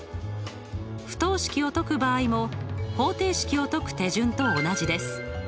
不等式を解く場合も方程式を解く手順と同じです。